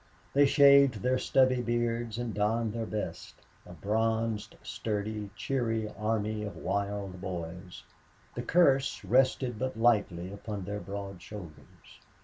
They shaved their stubby beards and donned their best a bronzed, sturdy, cheery army of wild boys. The curse rested but lightly upon their broad shoulders.